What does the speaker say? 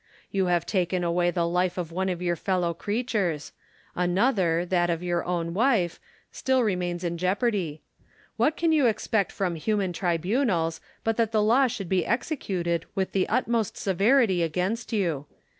You have taken away the life of one of your fellow creatures; another, that of your own wife, still remains in jeopardy. What can you expect from human tribunals but that the law should be executed with the utmost severity against you?